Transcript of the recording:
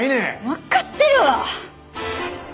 わかってるわ！